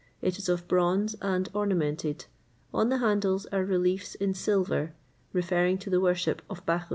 It is of bronze, and ornamented. On the handles are reliefs in silver, referring to the worship of Bacchus.